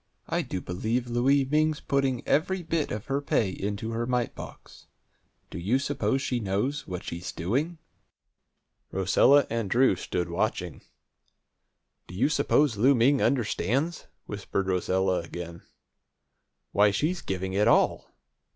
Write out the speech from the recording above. I do believe Louie Ming's putting every bit of her pay into her mite box! Do you suppose she knows what she's doing?" Rosella and Drew stood watching. "Do you suppose Louie Ming understands?" whispered Rosella again. "Why, she's giving it all!